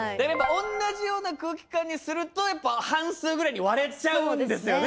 同じような空気感にするとやっぱ半数ぐらいに割れちゃうんですよね。